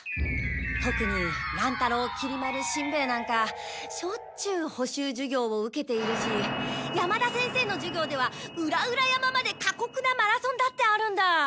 とくに乱太郎きり丸しんべヱなんかしょっちゅう補習授業を受けているし山田先生の授業では裏々山までかこくなマラソンだってあるんだ。